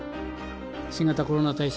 新型コロナ対策